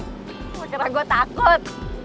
gak kira gue takut